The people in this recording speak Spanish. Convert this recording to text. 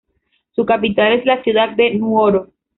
Su capital es la ciudad de Nuoro.